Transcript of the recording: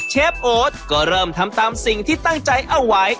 เชฟโอ๊ตก็เริ่มทำตามสิ่งที่ตั้งใจเอาไว้